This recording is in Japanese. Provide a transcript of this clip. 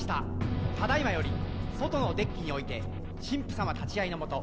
「ただいまより外のデッキにおいて神父さま立ち会いのもと